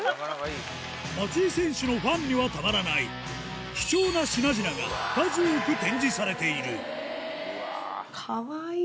松井選手のファンにはたまらない貴重な品々が数多く展示されているかわいい！